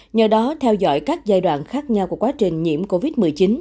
nhờ đó theo dõi các giai đoạn khác nhau của quá trình nhiễm covid một mươi chín